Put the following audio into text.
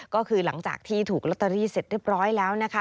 ก็คือหลังจากที่ถูกลอตเตอรี่เสร็จเรียบร้อยแล้วนะคะ